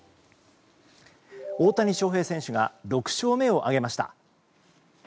大谷翔平選手が６勝目を挙げました。